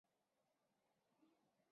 吉耶朗格朗热。